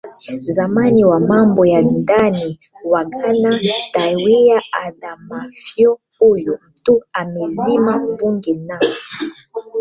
zamani wa mambo ya ndani wa Ghana Tawia AdamafyoHuyu mtu amezima Bunge na